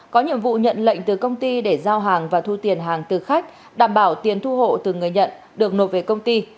có nhiệm vụ nhận lệnh từ công ty để giao hàng và thu tiền hàng từ khách đảm bảo tiền thu hộ từ người nhận được nộp về công ty